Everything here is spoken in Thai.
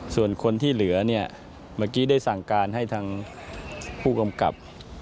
ส่วนคนที่เหลือเนี่ยเมื่อกี้ได้สั่งการให้ทางผู้กำกับ